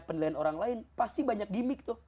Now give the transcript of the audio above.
penilaian orang lain pasti banyak gimmick tuh